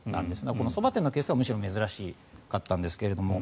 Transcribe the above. このそば店のケースがむしろ珍しかったんですが。